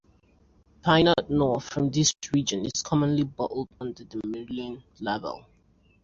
Pinot noir from this region is commonly bottled under the "Morillon" label.